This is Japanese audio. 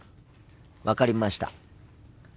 分かりました。